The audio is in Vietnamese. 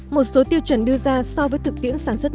một số tiêu chuẩn đưa ra so với thực tiễn sản xuất nước mắm